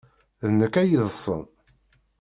D nekk ay yeḍḍsen.